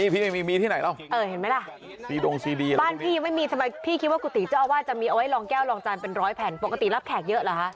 พี่อยู่ที่บ้านใช้แผ่นอย่างนี้ลองจานไหมคะ